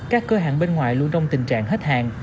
các cửa hàng bên ngoài luôn trong tình trạng hết hàng